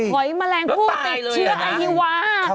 อยแมลงผู้ติดเชื้ออฮิวา